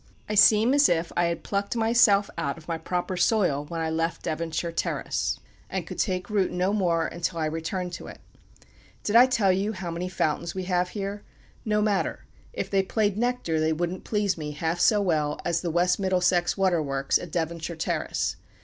I seem as if I had plucked myself out of my proper soil when I left Devonshire Terrace, and could take root no more until I return to it.... Did I tell you how many fountains we have here? No matter. If they played nectar, they wouldn't please me half so well as the West Middlesex Waterworks at Devonshire Terrace....